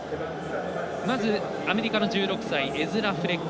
まずアメリカの１６歳エズラ・フレック